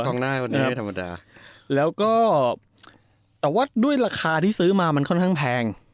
กองหน้าวันนี้ไม่ธรรมดาแล้วก็แต่ว่าด้วยราคาที่ซื้อมามันค่อนข้างแพง